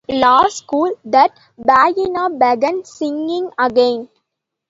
It was in law school that Bahia began singing again.